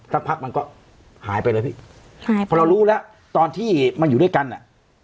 สักพักมันก็หายไปเลยพี่หายไปเพราะเรารู้แล้วตอนที่มันอยู่ด้วยกันอ่ะ